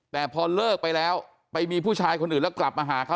แต่พอเลิกไปแล้วไปมีผู้ชายคนอื่นแล้วกลับมาหาเขา